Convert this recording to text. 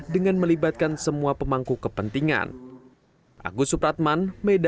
dengan melibatkan semua pemangku kepentingan